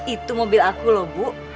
itu mobil aku loh bu